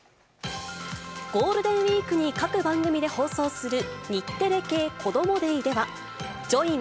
ゴールデンウィークに各番組で放送する日テレ系こどもｄａｙでは、ＪＯＩＮ！